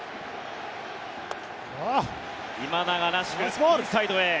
今永らしくインサイドへ。